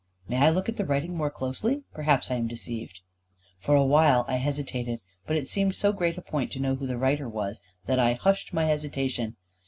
"May I look at the writing more closely? Perhaps I am deceived." For a while I hesitated. But it seemed so great a point to know who the writer was, that I hushed my hesitation.